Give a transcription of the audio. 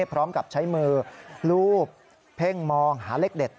พร้อมกับใช้มือรูปเพ่งมองหาเลขเด็ด